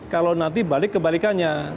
kalau nanti balik kebalikannya